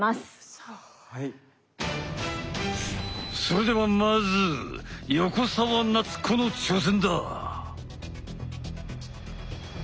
それではまず横澤夏子の挑戦だ！